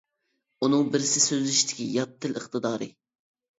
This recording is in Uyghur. ئۇنىڭ بىرسى سۆزلىشىشتىكى يات تىل ئىقتىدارى.